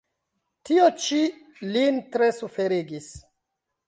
Tio ĉi lin tre suferigis.